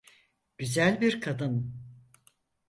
Güzel bir kadın.